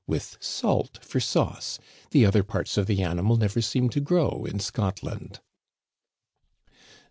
33 with salt for sauce ; the other parts of the animal never seem to grow in Scotland."